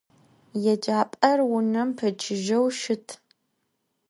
Yêcap'er vunem peçıjeu şıt.